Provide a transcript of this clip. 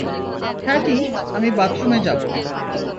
Hattie, আমি বাথরুমে যাবো।